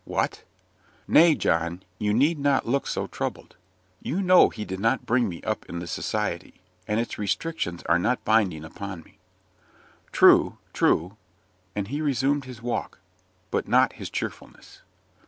"What!" "Nay, John, you need not look so troubled. You know he did not bring me up in the Society, and its restrictions are not binding upon me." "True, true." And he resumed his walk, but not his cheerfulness.